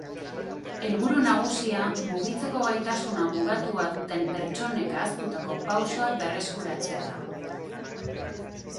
Helburu nagusia mugitzeko gaitasuna mugatua duten pertsonek ahaztutako pausoak berreskuratzea da.